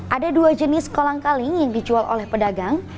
ada dua jenis kolang kaling yang dijual oleh pedagang